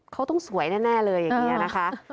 เขาต้องสวยแน่เลยอย่างนี้นะคะ